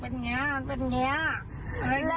เนี่ยเป็นไง